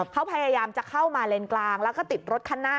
เขาพยายามจะเข้ามาเลนกลางแล้วก็ติดรถคันหน้า